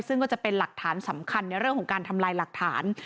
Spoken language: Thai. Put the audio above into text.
ซึ่งก็จะเป็นหลักฐานสำคัญในเรื่องของการทำลายหลักฐาน